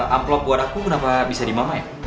amplop buat aku kenapa bisa di mama ya